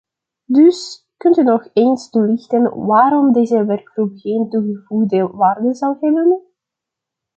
Dus, kunt u nog eens toelichten waarom deze werkgroep geen toegevoegde waarde zou hebben?